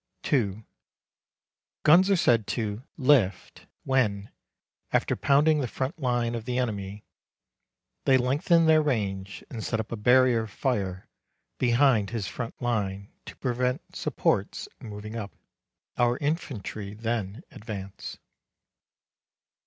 (2) Guns are said to "lift" when, after pounding the front line of the enemy, they lengthen their range and set up a barrier of fire behind his front line to prevent supports moving up. Our infantry then advance.